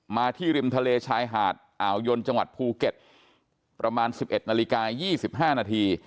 ที่ริมทะเลชายหาดอ่าวยนจังหวัดภูเก็ตประมาณ๑๑นาฬิกา๒๕นาที